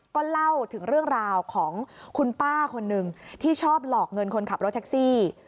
ก็เล่าถึงเรื่องราวของคุณป้าคนหนึ่งที่ชอบหลอกเงินคนขับรถแท็กซี่